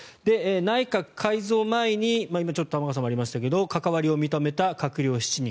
内閣改造前に今、ちょっと玉川さんからありましたが関わりを認めた閣僚７人。